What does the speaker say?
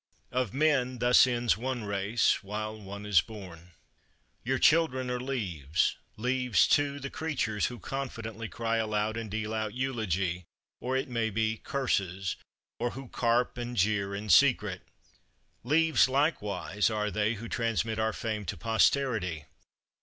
Of men thus ends one race, while one is born. Your children are leaves; leaves, too, the creatures who confidently cry aloud and deal out eulogy, or, it may be, curses; or who carp and jeer in secret. Leaves, likewise, are they who transmit our fame to posterity.